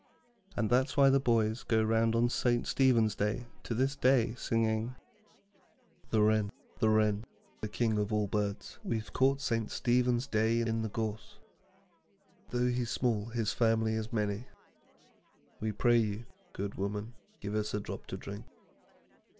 And that's why the boys go round on St. Stephen's Day to this day, singing: The Wren, the Wren, the King of all Birds, We've caught St. Stephen's Day in the gorse, Though he's small his family is many; We pray you, good woman, give us a drop to drink.